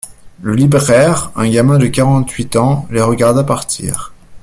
Le libraire, un gamin de quarante-huit ans, les regarda partir